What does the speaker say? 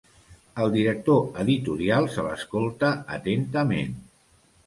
El director editorial se l'escolta atentament.